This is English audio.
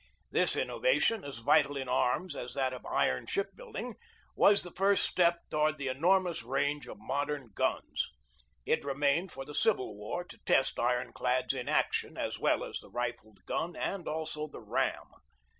This innovation, as vital in arms as that of iron ship building, was the first step toward the enor mous range of modern guns. It remained for the Civil War to test iron clads in action, as well as the rifled gun, and also the ram.